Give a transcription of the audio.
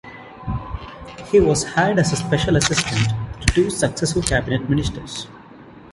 He was hired as a special assistant to two successive Cabinet ministers.